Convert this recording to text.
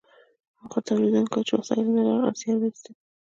هغو تولیدونکو چې وسایل نه لرل زیار ویسته.